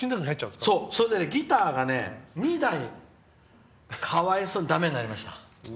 ギターが２台、かわいそうにだめになりました。